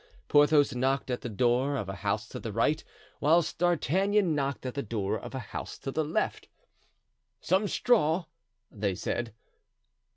Porthos knocked at the door of a house to the right, whilst D'Artagnan knocked at the door of a house to the left. "Some straw," they said.